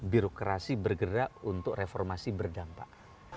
birokrasi bergerak untuk reformasi berdampak